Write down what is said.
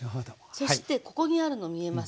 そしてここにあるの見えます？